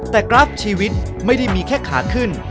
แต่กราฟชีวิตไม่ได้มีแค่ขาขึ้น